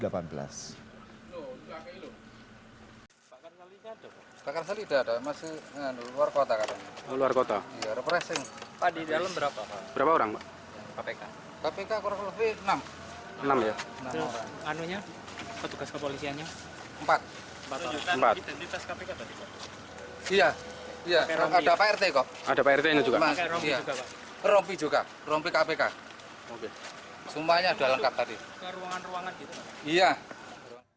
pengagung supriyono terkait pembahasan pengesahan dan pelaksanaan apbd dan atau apbd perubahan kabupaten tulungagung tahun anggaran dua ribu lima belas dua ribu lima belas